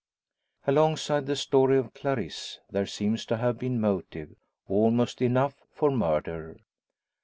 Alongside the story of Clarisse, there seems to have been motive, almost enough for murder.